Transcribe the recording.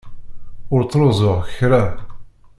Ur ttruẓuɣ kra.